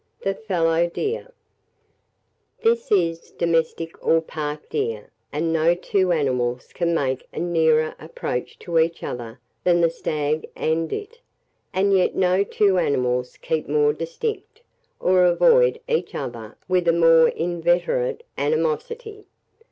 [Illustration: FALLOW DEER (BUCK). FALLOW DEER (DOE).] THE FALLOW DEER. This is the domestic or park deer; and no two animals can make a nearer approach to each other than the stag and it, and yet no two animals keep more distinct, or avoid each other with a more inveterate animosity.